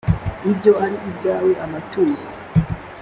byo ari ibyawe amaturo